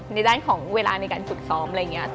ในด้านของเวลาในการฝึกซ้อม